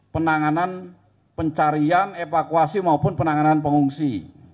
penanganan pencarian evakuasi maupun penanganan pengungsi